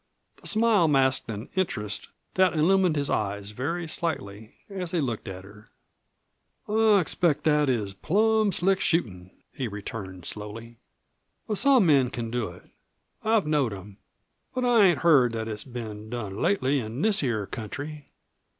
The smile masked an interest that illumined his eyes very slightly as he looked at her. "I expect that is plum slick shootin'," he returned slowly. "But some men can do it. I've knowed them. But I ain't heard that it's been done lately in this here country.